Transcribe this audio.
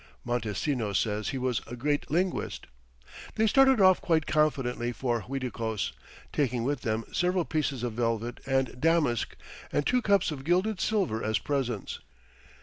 Montesinos says he was a "great linguist." They started off quite confidently for Uiticos, taking with them several pieces of velvet and damask, and two cups of gilded silver as presents.